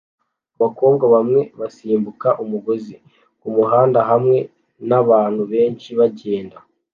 Abakobwa bamwe basimbuka umugozi kumuhanda hamwe nabantu benshi bagenda